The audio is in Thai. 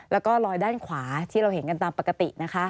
แล้วก็ลอยด้านขวาที่เราเห็นกันตามปกตินะคะ